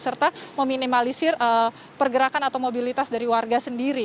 serta meminimalisir pergerakan atau mobilitas dari warga sendiri